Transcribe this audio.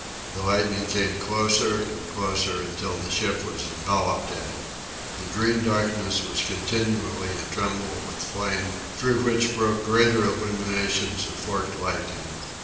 The lightning came closer and closer, until the ship was enveloped in it. The green darkness was continually a tremble with flame, through which broke greater illuminations of forked lightning.